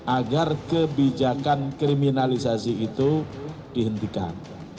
agar kebijakan kriminalisasi itu dihentikan